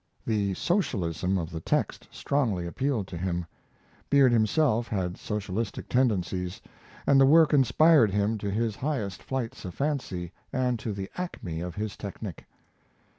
The socialism of the text strongly appealed to him. Beard himself had socialistic tendencies, and the work inspired him to his highest flights of fancy and to the acme of his technic.